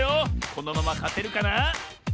このままかてるかな？